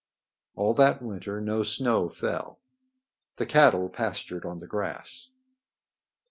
All that winter no snow fell. The cattle pastured on the grass.